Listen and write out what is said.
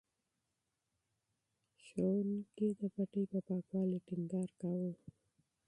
معلم صاحب د پټي په پاکوالي ټینګار کاوه.